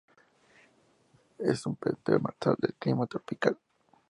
Es un pez demersal de clima tropical.